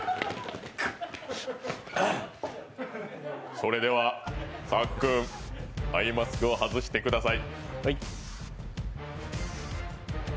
それでは、さっくんアイマスクを外してください。